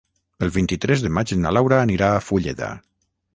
El vint-i-tres de maig na Laura anirà a Fulleda.